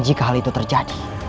jika hal itu terjadi